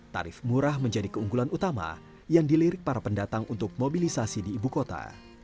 tarif murah menjadi keunggulan utama yang dilirik para pendatang untuk mobilisasi di ibu kota